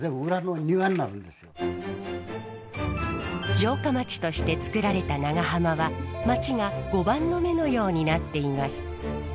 城下町としてつくられた長浜は町が碁盤の目のようになっています。